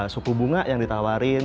suku bunga yang ditawarin